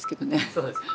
そうですね。